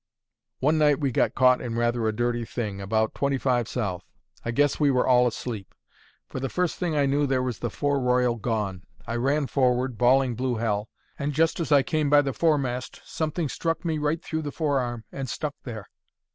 One night we got caught in rather a dirty thing about 25 south. I guess we were all asleep; for the first thing I knew there was the fore royal gone. I ran forward, bawling blue hell; and just as I came by the foremast, something struck me right through the forearm and stuck there.